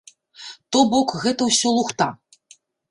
То бок, гэта ўсё лухта.